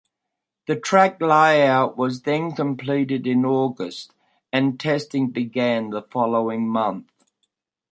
The track layout was then completed in August and testing began the following month.